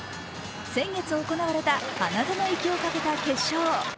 先月行われた花園行きを懸けた決勝。